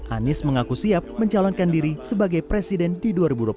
anies mengaku siap mencalonkan diri sebagai presiden di dua ribu dua puluh